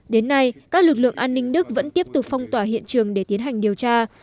đến nay các lực lượng an ninh đức vẫn tiếp tục phong tỏa hiện trường để tiến hành điều tra